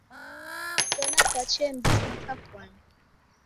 Sena kwachee mzinyi kafwani?